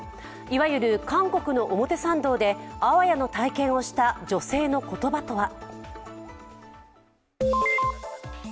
いわゆる韓国の表参道であわやの体験をした女性の言葉とは。